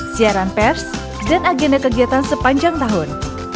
siaran pers dan agenda kegiatan sepanjang tahun